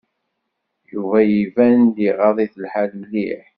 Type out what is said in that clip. Yuba iban-d iɣaḍ-it lḥal mliḥ.